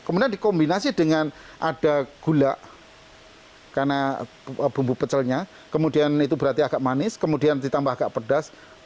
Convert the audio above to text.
kemudian dikombinasi dengan ada gula karena bumbu pecelnya kemudian itu berarti agak manis kemudian ditambah agak pedas